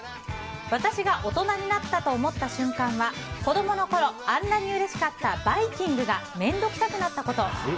私が大人になったと思った瞬間は子供のころあんなにうれしかったバイキングが面倒くさくなったこと。